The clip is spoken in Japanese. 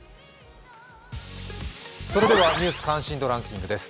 「ニュース関心度ランキング」です。